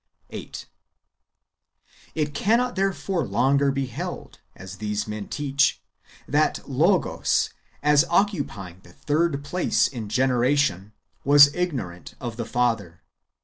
8. It cannot therefore longer be held, as these men teach, yj that Logos, as occupying the third place in generation, was ignorant of the Father.